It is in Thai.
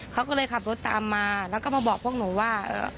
เขาก็เลยขับรถตามมาแล้วก็มาบอกพวกหนูว่า